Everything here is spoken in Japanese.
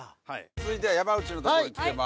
続いては山内の所に来てます。